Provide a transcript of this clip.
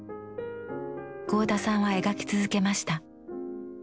合田さんは描き続けました。